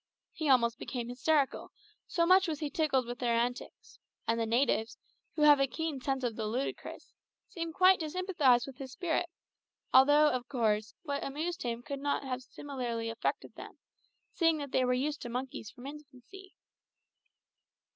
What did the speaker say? He almost became hysterical, so much was he tickled with their antics; and the natives, who have a keen sense of the ludicrous, seemed quite to sympathise with his spirit, although, of course, what amused him could not have similarly affected them, seeing that they were used to monkeys from infancy.